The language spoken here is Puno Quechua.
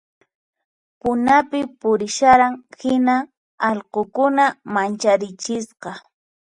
Punapi purisharan hina allqukuna mancharichisqa